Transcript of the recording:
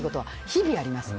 日々、あります。